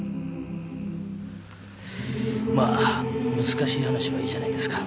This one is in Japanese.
難しい話はいいじゃないですか